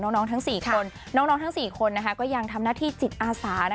ทั้ง๔คนน้องทั้ง๔คนก็ยังทำหน้าที่จิตอาสา